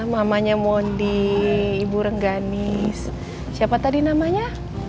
mamanya mondi ibu renggani siapa tadi namanya